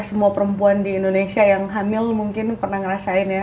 semua perempuan di indonesia yang hamil mungkin pernah ngerasain ya